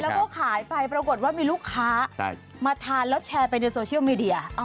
แล้วก็ขายไปปรากฏว่ามีลูกค้ามาทานแล้วแชร์ไปในโซเชียลมีเดีย